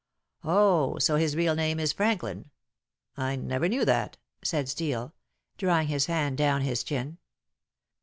"Oh! So his real name is Franklin. I never knew that," said Steel, drawing his hand down his chin.